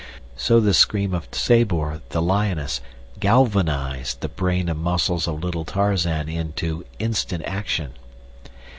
So the scream of Sabor, the lioness, galvanized the brain and muscles of little Tarzan into instant action.